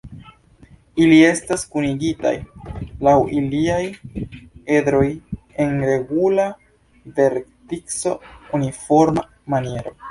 Ili estas kunigitaj laŭ iliaj edroj en regula vertico-uniforma maniero.